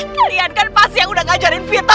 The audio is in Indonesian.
kalian kan pasti yang udah ngajarin vita